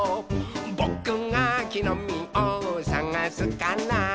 「ぼくがきのみをさがすから」